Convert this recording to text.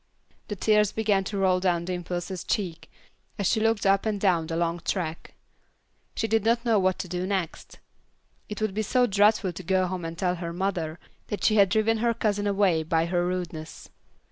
The tears began to roll down Dimple's cheeks as she looked up and down the long track. She did not know what to do next. It would be so dreadful to go home and tell her mother that she had driven her cousin away by her rudeness.